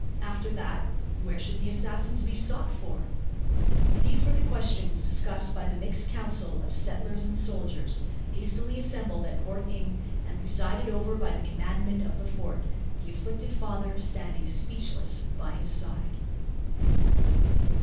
After that, where should the assassins be sought for? These were the questions discussed by the mixed council of settlers and soldiers, hastily assembled at Port Inge, and presided over by the commandant of the Fort the afflicted father standing speechless by his side.